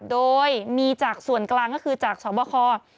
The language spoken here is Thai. โดยมีจากส่วนกลางก็คือจากสวบค